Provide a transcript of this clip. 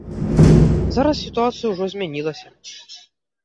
Зараз сітуацыя ўжо змянілася.